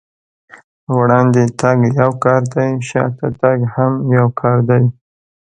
وړاندې تګ يو کار دی، شاته تګ هم يو کار دی.